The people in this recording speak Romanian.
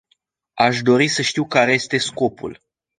Aș dori să știu care este scopul.